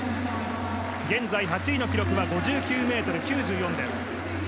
現在、８位の記録は５９ｍ９４です。